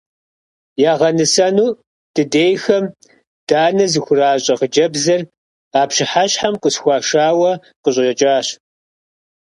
Ягъэнысэну дыдейхэм данэ зыхуращӀа хъыджэбзыр а пщыхьэщхьэм къысхуашауэ къыщӀэкӀащ.